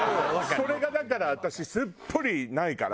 それがだから私すっぽりないから。